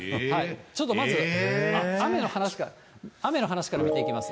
ちょっとまず、雨の話から見ていきます。